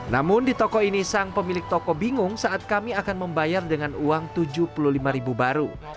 namun di toko ini sang pemilik toko bingung saat kami akan membayar dengan uang rp tujuh puluh lima baru